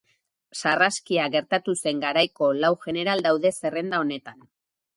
Sarraskia gertatu zen garaiko lau jeneral daude zerrenda honetan.